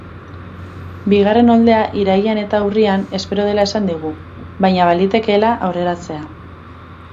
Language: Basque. Bigarren oldea irailean eta urrian espero dela esan digu, baina balitekeela aurreratzea.